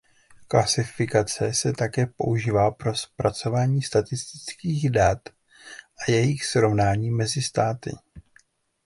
Klasifikace se také používá pro zpracování statistických dat a jejich srovnání mezi státy.